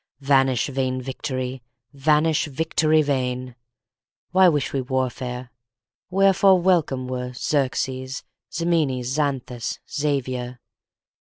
Vanish vain victory! vanish, victory vain! Why wish we warfare? Wherefore welcome were Xerxes, Ximenes, Xanthus, Xavier?